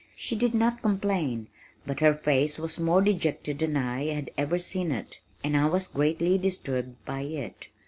She did not complain but her face was more dejected than I had ever seen it, and I was greatly disturbed by it.